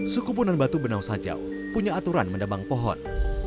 suku punan batu benausajaw punya aturan mendebang pohon